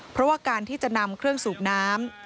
เพราะว่าการที่จะนำเครื่องสูบน้ำ